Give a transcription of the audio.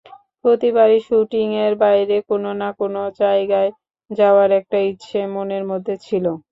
প্রতিবারই শুটিংয়ের বাইরে কোনো না-কোনো জায়গায় যাওয়ার একটা ইচ্ছে মনের মধ্যে ছিল।